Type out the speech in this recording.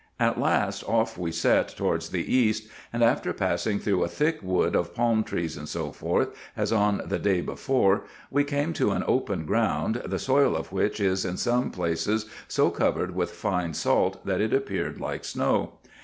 At last, off we set towards the east, and after passing through a thick wood of palm trees, &c. as on the day before, we came to an open ground, the soil of which is in some places so covered with fine salt, that it appeared like snow.